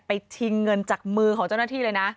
ชิงเงินจากมือของเจ้าหน้าที่เลยนะ